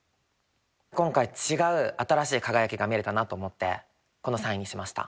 今回違う新しい輝きが見れたなと思ってこの３位にしました。